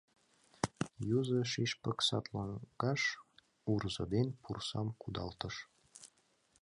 Юзо шӱшпык сад лоҥгаш Урзо ден пурсам кудалтыш…